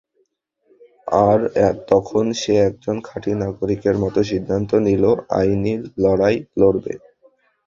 আর তখন সে একজন খাঁটি নাগরিকের মতো সিদ্ধান্ত নিল আইনি লড়াই লড়বে।